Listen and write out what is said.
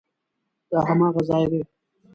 دا هماغه ځای دی؟